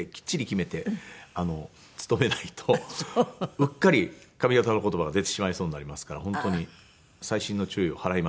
うっかり上方の言葉が出てしまいそうになりますから本当に細心の注意を払いまして。